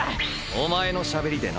おまえのしゃべりでな。